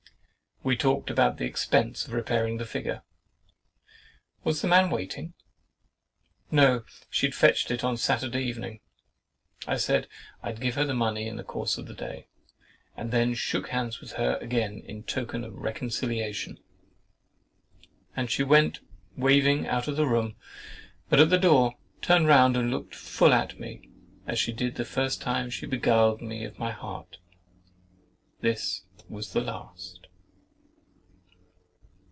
We talked about the expense of repairing the figure. "Was the man waiting?"—"No, she had fetched it on Saturday evening." I said I'd give her the money in the course of the day, and then shook hands with her again in token of reconciliation; and she went waving out of the room, but at the door turned round and looked full at me, as she did the first time she beguiled me of my heart. This was the last.